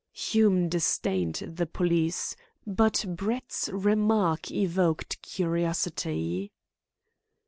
Hume disdained the police, but Brett's remark evoked curiosity.